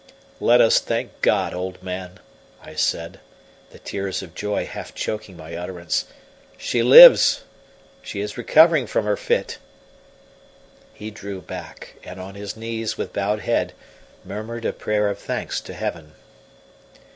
"Let us thank God, old man," I said, the tears of joy half choking my utterance. "She lives she is recovering from her fit." He drew back, and on his knees, with bowed head, murmured a prayer of thanks to Heaven.